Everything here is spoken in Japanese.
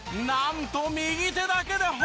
なんと右手だけで。